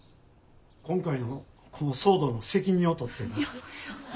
今回のこの騒動の責任を取ってやな。